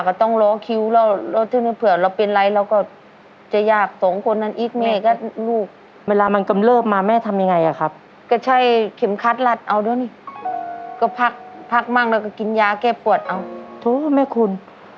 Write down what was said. ก็พักพักมั่งแล้วก็กินยาเก็บปวดเอาโถแม่คุณ